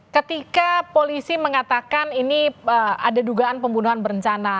ketika polisi mengatakan ini ada dugaan pembunuhan berencana